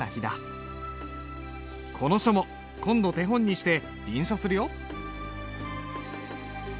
この書も今度手本にして臨書するよ。